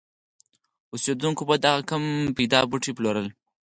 اوسېدونکو به دغه کم پیدا بوټي پلورل.